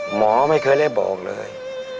หมอไม่เคยได้บอกเลย